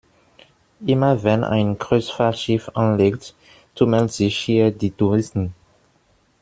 Immer wenn ein Kreuzfahrtschiff anlegt, tummeln sich hier die Touristen.